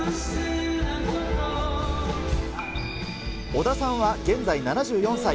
小田さんは現在７４歳。